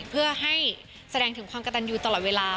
เพื่อให้แสดงถึงความกระตันอยู่ตลอดเวลา